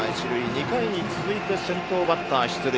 ２回に続いて先頭バッター出塁。